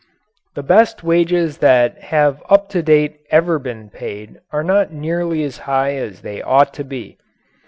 The best wages that have up to date ever been paid are not nearly as high as they ought to be.